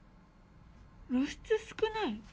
「露出少ない」？